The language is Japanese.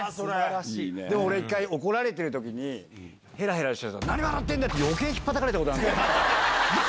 でも俺、一回、怒られてるときに、へらへらしてたら、何、笑ってんだ！ってよけいひっぱたかれたことある。